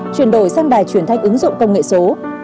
chuyển đổi sang đài truyền thanh ứng dụng công nghệ số